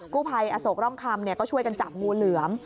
กู้ภัยอโศกร่องคำก็ช่วยกันจับงูเหลือม